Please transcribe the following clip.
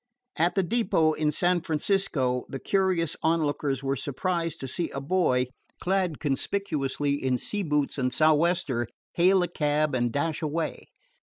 At the depot in San Francisco the curious onlookers were surprised to see a boy clad conspicuously in sea boots and sou'wester hail a cab and dash away.